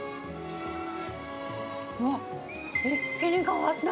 うわっ、一気に変わった。